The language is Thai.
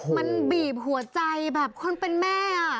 มันบีบหัวใจแบบคนเป็นแม่